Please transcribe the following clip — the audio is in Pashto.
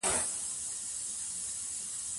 د صابون جوړولو واړه مرکزونه په ولایتونو کې شته.